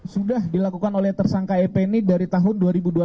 sudah dilakukan oleh tersangka ep ini dari tahun dua ribu dua belas